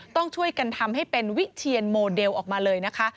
ต้องช่วยกันทำให้เป็นวิเชียนโมเดลออกมาเลยนะคะ